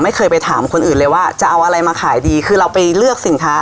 ไม่เคยไปถามคนอื่นเลยว่าจะเอาอะไรมาขายดีคือเราไปเลือกสินค้า